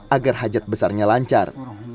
agar hajat besarnya lancar